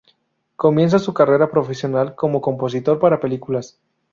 Comienza su carrera profesional como compositor para películas.